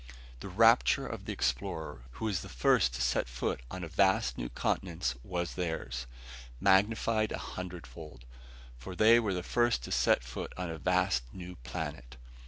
The rapture of the explorer who is the first to set foot on a vast new continent was theirs, magnified a hundredfold. For they were the first to set foot on a vast new planet!